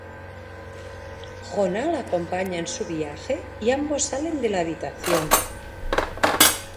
Jonah la acompaña en su viaje y ambos salen de la habitación.